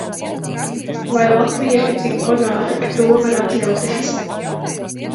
Vai Latvija ir tik bagāta, ka to var atļauties?